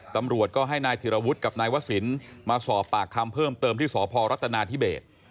ตำรวจก็ให้นายธิรวุฒิกับนายวศิลป์มาสอบปากคำเพิ่มเติมที่สพรัฐนาธิเบส